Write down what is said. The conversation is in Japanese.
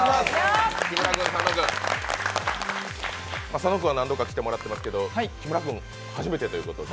佐野君は何度か来ていただいてますけど木村君は初めてということで。